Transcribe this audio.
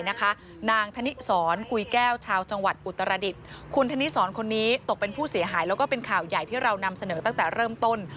นางธนิษฏรกุ๊ยแก้วชาวจังหวัดอุตรรศิษฐ์คุณธนิษฐรส์ตกเป็นผู้เสียหายเป็นข่าวใหญ่ในแรกที่เราเริ่มต้น